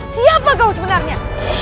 siapa kau sebenarnya